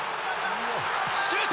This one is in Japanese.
シュート！